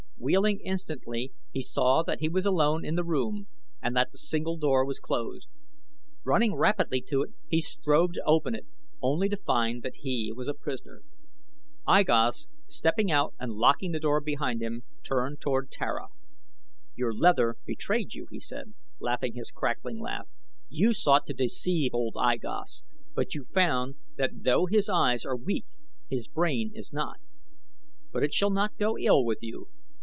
Wheeling instantly he saw that he was alone in the room and that the single door was closed. Running rapidly to it he strove to open it, only to find that he was a prisoner. I Gos, stepping out and locking the door behind him, turned toward Tara. "Your leather betrayed you," he said, laughing his cackling laugh. "You sought to deceive old I Gos, but you found that though his eyes are weak his brain is not. But it shall not go ill with you.